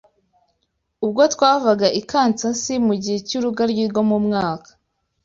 Ubwo twavaga i Kansasi, mu gihe cy’Urugaryi rwo mu mwaka